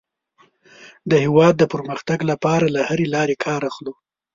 د هېواد د پرمختګ لپاره له هرې لارې کار اخلو.